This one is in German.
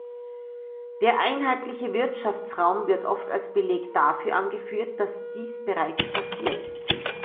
Der Einheitliche Wirtschaftsraum wird oft als Beleg dafür angeführt, dass dies bereits passiert.